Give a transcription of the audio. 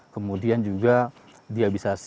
kemudian juga dia bisa